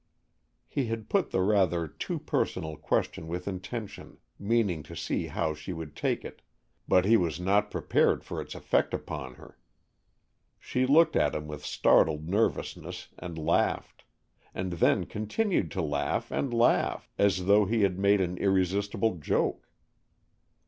He had put the rather too personal question with intention, meaning to see how she would take it, but he was not prepared for its effect upon her. She looked at him with startled nervousness and laughed, and then continued to laugh and laugh as though he had made an irresistible joke.